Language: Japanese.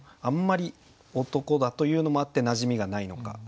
あんまり男だというのもあってなじみがないのか。